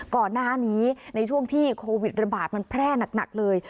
ก่อนหน้านี้ในช่วงที่โควิดระบาดมันแพร่หนักเลย